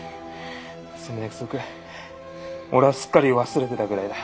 そんな約束俺はすっかり忘れてたぐらいだ。